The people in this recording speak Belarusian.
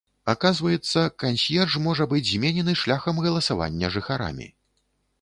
Аказваецца, кансьерж можа быць зменены шляхам галасавання жыхарамі.